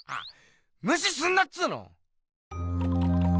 むしすんなっつうの！